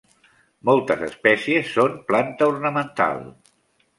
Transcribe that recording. Moltes espècies són planta ornamental.